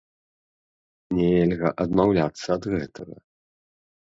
Нельга адмаўляцца ад гэтага.